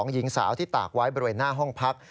หญิงสาวที่ตากไว้บริเวณหน้าห้องพัก